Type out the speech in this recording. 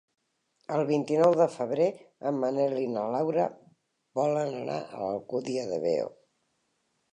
El vint-i-nou de febrer en Manel i na Laura volen anar a l'Alcúdia de Veo.